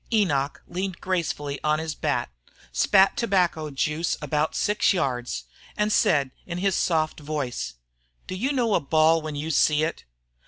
Enoch leaned gracefully on his bat, spat tobacco juice about six yards, and said in his soft voice: "Do you know a ball when you see it?"